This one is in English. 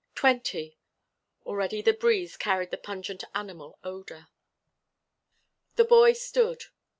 twenty! Already the breeze carried the pungent animal odor. The boy stood.